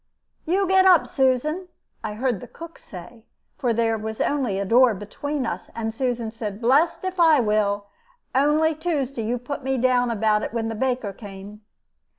'You get up, Susan,' I heard the cook say, for there only was a door between us; and Susan said, 'Blest if I will! Only Tuesday you put me down about it when the baker came.'